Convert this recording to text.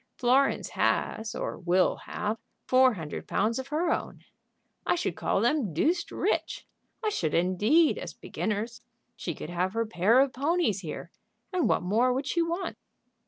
Florence has, or will have, four hundred pounds of her own. I should call them deuced rich. I should, indeed, as beginners. She could have her pair of ponies here, and what more would she want?"